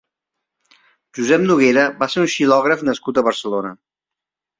Josep Noguera va ser un xilògraf nascut a Barcelona.